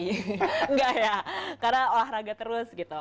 enggak ya karena olahraga terus gitu